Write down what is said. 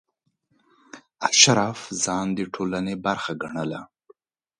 اشراف ځان د ټولنې برخه ګڼله.